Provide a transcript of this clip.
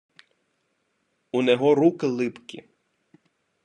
Унего руки липкі.